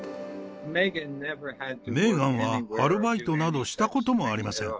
メーガンはアルバイトなどしたこともありません。